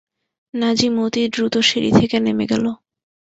নাজিম অতি দ্রুত সিঁড়ি থেকে নেমে গেল।